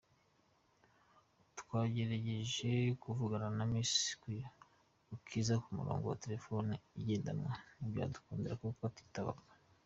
Twagerageje kuvugana na Miss Bukiza ku murongo wa telefoni igendanwa, ntibyadukundira kuko atitabaga.